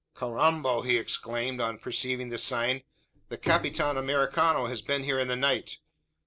"Carrambo!" he exclaimed, on perceiving this sign, "the Capitan Americano has been here in the night.